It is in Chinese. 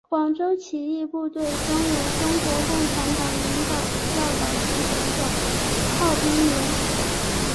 广州起义部队中有中国共产党领导的教导团的一个炮兵连。